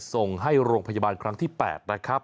ส่งให้โรงพยาบาลครั้งที่๘นะครับ